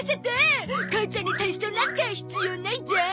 母ちゃんに体操なんか必要ないじゃん？